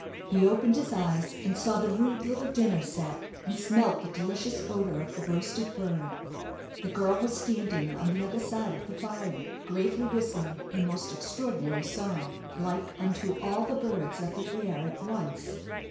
He opened his eyes, and saw the rude little dinner set, and smelt the delicious odor of the roasted bird. The girl was standing on the other side of the fire, gravely whistling a most extraordinary song, like unto all the birds of the air at once.